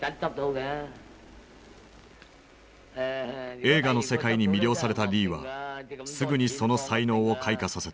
映画の世界に魅了されたリーはすぐにその才能を開花させた。